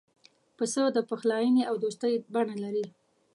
پسه د پخلاینې او دوستی بڼه لري.